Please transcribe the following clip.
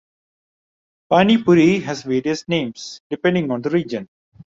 Panipuri has various names, depending on the region.